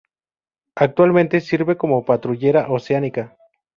Actualmente sirve como patrullera oceánica.